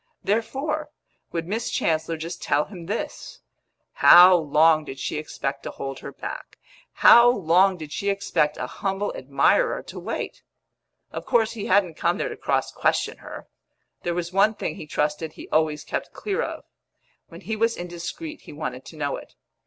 Therefore, would Miss Chancellor just tell him this: How long did she expect to hold her back; how long did she expect a humble admirer to wait? Of course he hadn't come there to cross question her; there was one thing he trusted he always kept clear of; when he was indiscreet he wanted to know it.